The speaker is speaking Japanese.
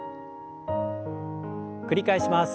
繰り返します。